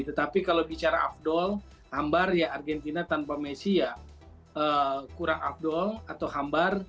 tetapi kalau bicara afdol hambar ya argentina tanpa messi ya kurang afdol atau hambar